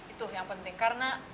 itu yang penting karena